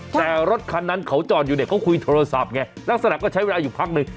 แต่รถคันนั้นเขาจอดอยู่เนี่ยเขาคุยโทรศัพท์ไงลักษณะก็ใช้เวลาอยู่พักหนึ่ง